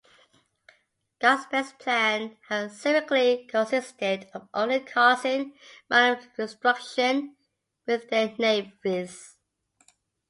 Gospel's plan had seemingly consisted of only causing random destruction with their navis.